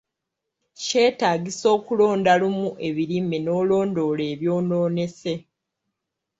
Kyetagisa okulonda lumu ebirime n'olondoola ebyonoonese.